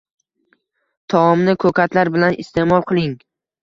Taomni ko‘katlar bilan iste’mol qiling